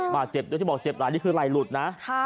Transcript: บาดเจ็บโดยที่บอกเจ็บนานนี้คือไหลหลุดนะ